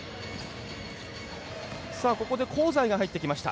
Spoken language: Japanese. ここで香西が入ってきました。